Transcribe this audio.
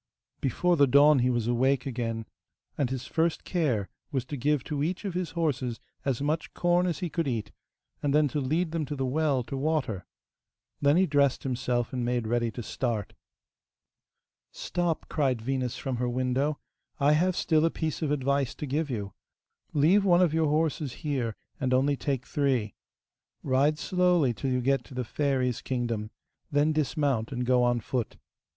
Before the dawn he was awake again, and his first care was to give to each of his horses as much corn as he could eat, and then to lead them to the well to water. Then he dressed himself and made ready to start. 'Stop,' cried Venus from her window, 'I have still a piece of advice to give you. Leave one of your horses here, and only take three. Ride slowly till you get to the fairy's kingdom, then dismount and go on foot.